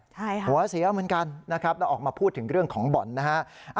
ใช่ค่ะหัวเสียเหมือนกันนะครับแล้วออกมาพูดถึงเรื่องของบ่อนนะฮะ